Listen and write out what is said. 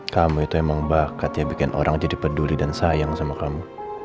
kamu itu emang bakat ya bikin orang jadi peduli dan sayang sama kamu